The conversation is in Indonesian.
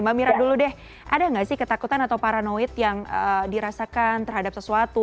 mbak mira dulu deh ada nggak sih ketakutan atau paranoid yang dirasakan terhadap sesuatu